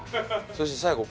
そして最後。